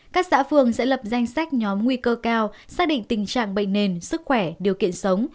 các xã phường sẽ lập danh sách nhóm nguy cơ cao xác định tình trạng bệnh nền sức khỏe điều kiện sống